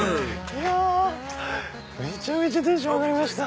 いやめちゃめちゃテンション上がりました。